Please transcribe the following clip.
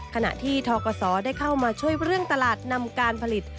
ขณะที่ทกศได้เข้ามาช่วยเรื่องตลาดนำการผลิต